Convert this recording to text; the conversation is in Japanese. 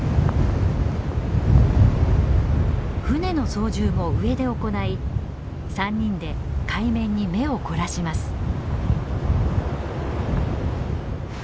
船の操縦も上で行い３人で海面に目を凝らします。